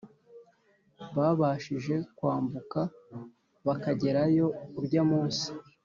babashije kwambuka bakagerayo urya munsi